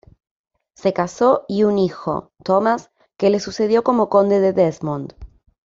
Se casó y un hijo, Thomas, que le sucedió como Conde de Desmond.